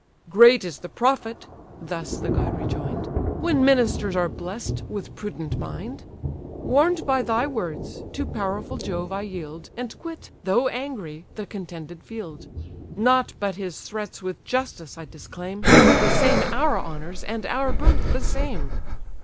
"Great is the profit (thus the god rejoin'd) When ministers are blest with prudent mind: Warn'd by thy words, to powerful Jove I yield, And quit, though angry, the contended field: Not but his threats with justice I disclaim, The same our honours, and our birth the same.